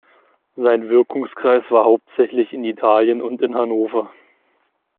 Sein Wirkungskreis war hauptsächlich in Italien und in Hannover.